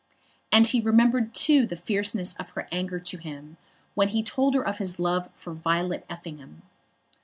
And he remembered too the fierceness of her anger to him when he told her of his love for Violet Effingham.